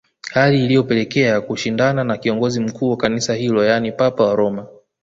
Hali iliyopelekea kushindana na kiongozi mkuu wa kanisa hilo yani papa wa Roma